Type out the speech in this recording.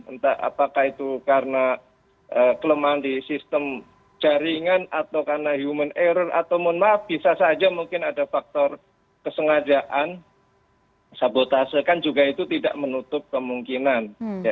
entah apakah itu karena kelemahan di sistem jaringan atau karena human error atau mohon maaf bisa saja mungkin ada faktor kesengajaan sabotase kan juga itu tidak menutup kemungkinan